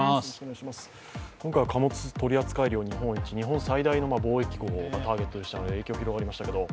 今回は貨物取扱量日本一、日本最大の貿易港がターゲットでしたので影響が広がりましたけど